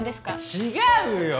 違うよ！